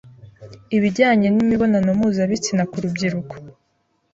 ibijyanye n’imibonano mpuzabitsina ku rubyiruko,